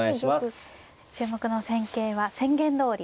注目の戦型は宣言どおり。